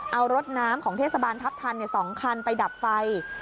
เอารถน้ำของเทศบาลทัพทัน๒คันไปดับไฟ